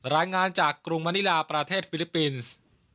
รายงานจากกรุงมณิลาประเทศฟิลิปปินส์